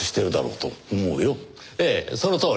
ええそのとおり。